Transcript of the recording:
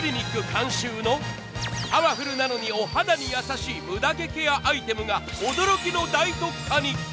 監修のパワフルなのにお肌に優しいムダ毛ケアアイテムが驚きの大特価に！